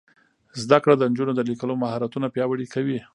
زده کړه د نجونو د لیکلو مهارتونه پیاوړي کوي.